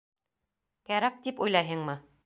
— Кәрәк, тип уйлайһыңмы?